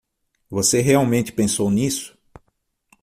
Você realmente pensou nisso?